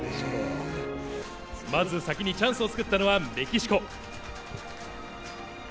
まず先にチャンスを作ったのはメキシコ。